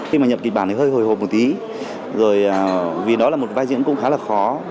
khi mà nhập kịch bản thì hơi hồi hộp một tí rồi vì đó là một vai diễn cũng khá là khó